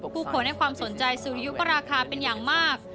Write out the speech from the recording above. ผู้คนให้ความสนใจสุริยุปราคาเป็นอย่างมาก